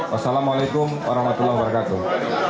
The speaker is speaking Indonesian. wassalamualaikum warahmatullahi wabarakatuh